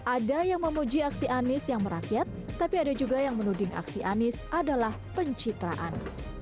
ada yang memuji aksi anis yang merakyat tapi ada juga yang menuding aksi anies adalah pencitraan